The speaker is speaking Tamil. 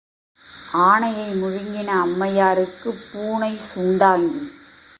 ஆனையை முழுங்கின அம்மையாருக்குப் பூனை சுண்டாங்கி.